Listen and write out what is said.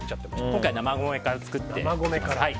今回、生米から作っています。